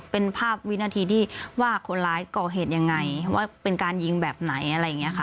เป็นภาพวินาทีที่ว่าคนร้ายก่อเหตุยังไงว่าเป็นการยิงแบบไหนอะไรอย่างนี้ค่ะ